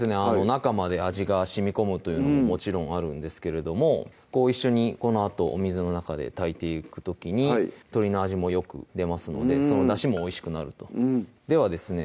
中まで味がしみこむというのももちろんあるんですけれども一緒にこのあとお水の中で炊いていく時に鶏の味もよく出ますのでそのだしもおいしくなるとではですね